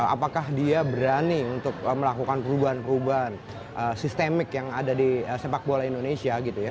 apakah dia berani untuk melakukan perubahan perubahan sistemik yang ada di sepak bola indonesia gitu ya